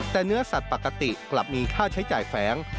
แต่เนื้อสัตว์ปกติกลับมีค่าใช้จ่ายแฟ้ง